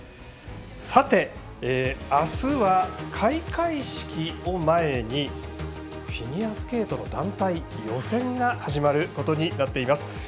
さて、あすは開会式を前にフィギュアスケートの団体予選が始まることになっています。